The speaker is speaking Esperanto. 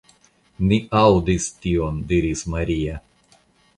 Ni aŭdis tion, diris Maria.